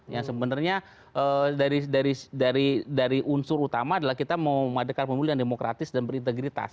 yang sebenarnya dari dari dari dari unsur utama adalah kita memadukan pemulihan demokratis dan berintegritas